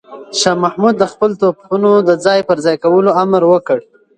شاه محمود د خپلو توپونو د ځای پر ځای کولو امر وکړ.